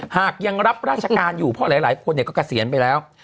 หากยังรับราชการอยู่เพราะหลายคนก็เกษียณไปแล้ว